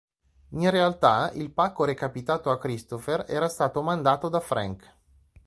In realtà il pacco recapitato a Cristopher era stato mandato da Frank.